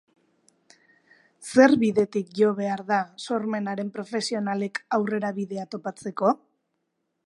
Zer bidetatik jo behar da sormenaren profesionalek aurrerabidea topatzeko?